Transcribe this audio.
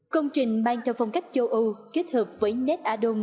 công trình mang theo phong cách châu âu kết hợp với nét a đông